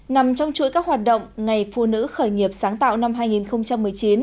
nằm trong chuỗi các hoạt động ngày phụ nữ khởi nghiệp sáng tạo năm hai nghìn một mươi chín